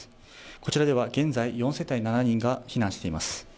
こちらでは現在４世帯７人が避難しています。